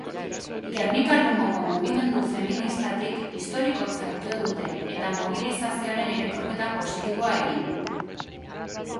Gernika-Lumoko Mugimendu Feministatik "historikotzat" jo dute, eta mobilizazioaren irakurketa positiboa egin.